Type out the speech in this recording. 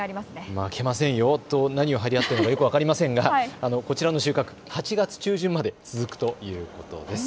負けませんよと何を張り合っているか分かりませんがこちらの収穫、８月中旬まで続くということです。